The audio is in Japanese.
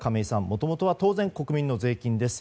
もともとは当然、国民の税金です。